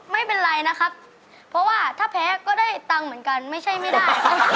ไม่เป็นไรนะครับเพราะว่าถ้าแพ้ก็ได้ตังค์เหมือนกันไม่ใช่ไม่ได้